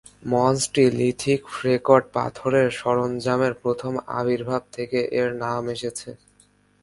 মঞ্চটি lithic flecked পাথরের সরঞ্জামের প্রথম আবির্ভাব থেকে এর নাম এসেছে।